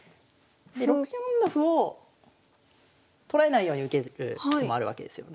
で６四の歩を取られないように受ける手もあるわけですよ